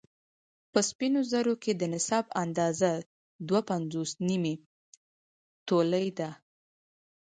په سپينو زرو کې د نصاب اندازه دوه پنځوس نيمې تولې ده